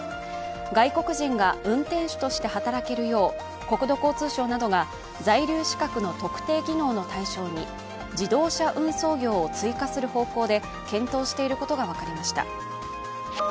外国人が運転手として働けるよう、国土交通省などが在留資格の特定技能の対象に自動車運送業を追加する方向で検討していることが分かりました。